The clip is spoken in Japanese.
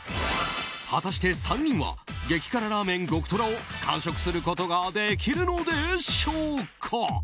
果たして３人は激辛ラーメン極トラを完食することができるのでしょうか。